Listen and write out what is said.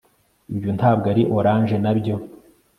ibyo ntabwo ari orange, nabyo